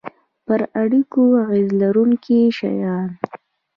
پر اړیکو اغیز لرونکي شیان